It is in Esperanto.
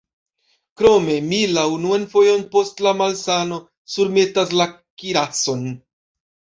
Krome, mi la unuan fojon post la malsano surmetas la kirason.